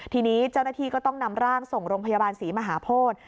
ทีนี้เจ้าหน้าที่ก็ต้องนำร่างส่งโรงพยาบาลศรีมหาโพธิ